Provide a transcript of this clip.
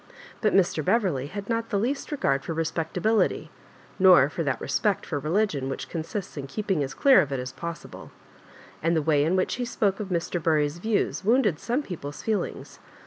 But Mr. Beverley had not the least regard for respectability, nor for that respeet for religion which consists in keeping as clear of it as possible ; and the way in which he spoke of Mr. Bury*s views wounded some people's feelings.